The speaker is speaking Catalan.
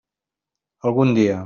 Algun dia.